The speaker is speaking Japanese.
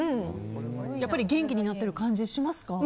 やっぱり元気になってる感じしますか？